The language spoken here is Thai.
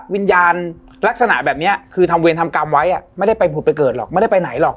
วิญญาณลักษณะแบบนี้คือทำเวรทำกรรมไว้ไม่ได้ไปผุดไปเกิดหรอกไม่ได้ไปไหนหรอก